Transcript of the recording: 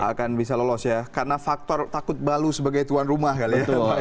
akan bisa lolos ya karena faktor takut balu sebagai tuan rumah kali ya